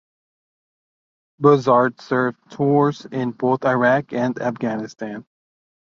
Buzzard served tours in both Iraq and Afghanistan.